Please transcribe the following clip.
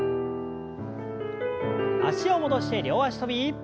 脚を戻して両脚跳び。